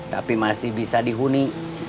tapi masih bisa dihuni